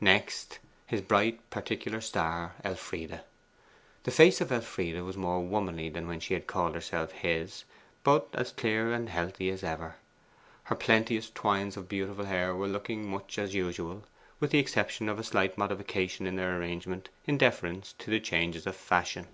Next, his bright particular star, Elfride. The face of Elfride was more womanly than when she had called herself his, but as clear and healthy as ever. Her plenteous twines of beautiful hair were looking much as usual, with the exception of a slight modification in their arrangement in deference to the changes of fashion.